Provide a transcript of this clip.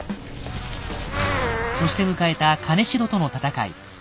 そして迎えた金城との戦い。